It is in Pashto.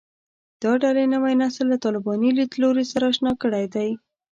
دا ډلې نوی نسل له طالباني لیدلوري سره اشنا کړی دی